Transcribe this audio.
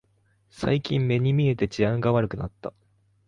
最近目に見えて治安が悪くなった